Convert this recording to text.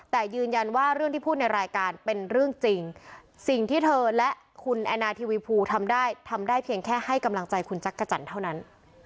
แต่ยืนยันว่าเรื่องที่พูดในรายการเป็นเรื่องจริงสิ่งที่เธอและคุณแอนาทีวีภูทำได้ทำได้เพียงแค่ให้กำลังใจคุณจักรจันทร์เท่านั้น